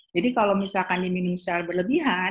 jadi kalau misalkan diminum secara berlebihan